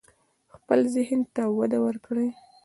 خپل ذهن ته وده ورکړئ.